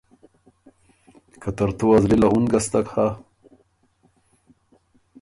که ترتو ا زلی له اُن ګستک هۀ